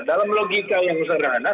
dalam logika yang saya mengandalkan